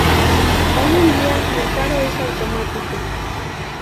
Hoy en día el faro es automático.